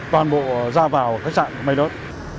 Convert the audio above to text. toàn bộ ra vào khách trạng may đớt